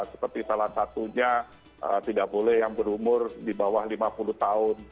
seperti salah satunya tidak boleh yang berumur di bawah lima puluh tahun